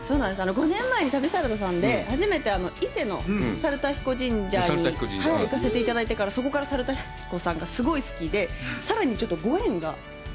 ５年前に旅サラダさんで、初めて伊勢の猿田彦神社に行かせていただいてから、そこから猿田彦さんがすごい好きで、さらにちょっとご縁が。